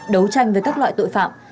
đấu tranh với các loại tội phạm